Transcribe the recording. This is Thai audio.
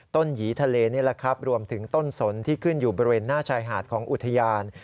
ต้นหยีทะเลรวมถึงต้นสนที่ขึ้นอยู่บริเวณหน้าชายหาดของอุทยาน